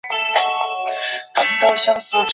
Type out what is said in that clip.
西南鬼灯檠为虎耳草科鬼灯檠属下的一个种。